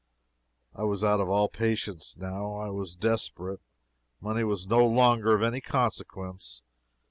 I was out of all patience, now. I was desperate. Money was no longer of any consequence.